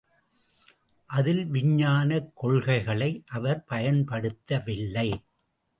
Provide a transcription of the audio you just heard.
அதில் விஞ்ஞானக் கொள்கைகளை அவர் பயன்படுத்தவில்லை.